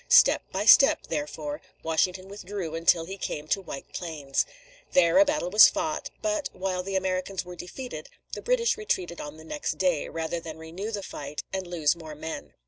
Step by step, therefore, Washington withdrew until he came to White Plains. There a battle was fought; but, while the Americans were defeated, the British retreated on the next day, rather than renew the fight and lose more men.